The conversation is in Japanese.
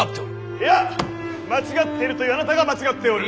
いいや間違っているというあなたが間違っておる！